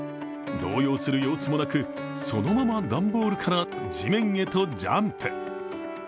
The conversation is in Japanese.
動揺する様子もなく、そのまま段ボールから地面へとジャンプ。